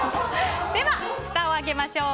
では、ふたを開けましょう。